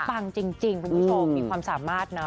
ปังจริงคุณผู้ชมมีความสามารถนะ